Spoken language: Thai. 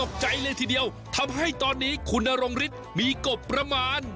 ใจเลยทีเดียวทำให้ตอนนี้คุณนรงฤทธิ์มีกบประมาณ